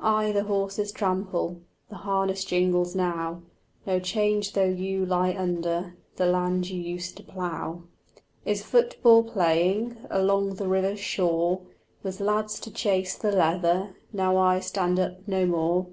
Ay, the horses trample, The harness jingles now; No change though you lie under The land you used to plough. "Is football playing Along the river shore, With lads to chase the leather, Now I stand up no more?"